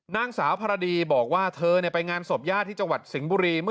นางสาวพรดีบอกว่าเธอไปงานศพญาติที่จังหวัดสิงห์บุรี